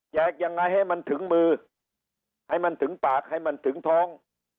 ยังไงให้มันถึงมือให้มันถึงปากให้มันถึงท้อง